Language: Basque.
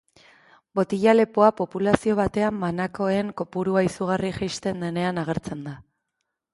Botila-lepoa populazio batean banakoen kopurua izugarri jaisten denean agertzen da.